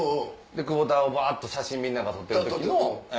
久保田をバっと写真みんなが撮ってた時の。